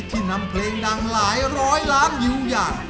นำเพลงดังหลายร้อยล้านวิวอย่าง